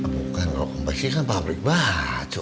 bukan kompleksi kan pabrik baju